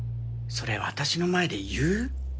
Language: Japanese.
それ私の前で言う？